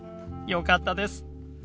よかったです。